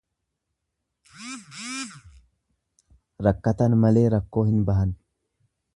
Rakkatan malee rakkoo hin bahan.